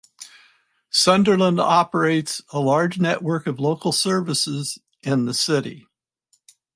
Sunderland operates a large network of local services in the city.